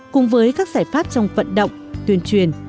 cùng với các giải pháp trong vận động tuyên truyền